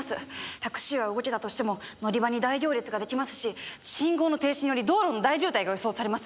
タクシーは動けたとしても乗り場に大行列ができますし信号の停止により道路の大渋滞が予想されます